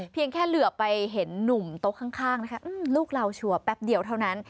เพียงแค่เหลือไปเห็นหนุ่มโต๊ะข้างนะคะลูกเราชัวร์แป๊บเดียวเท่านั้น